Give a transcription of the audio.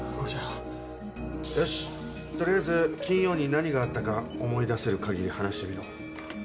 よし取りあえず金曜に何があったか思い出せる限り話してみろ。